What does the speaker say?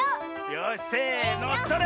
よしせのそれ！